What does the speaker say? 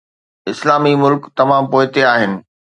اسلامي ملڪ تمام پوئتي آهن.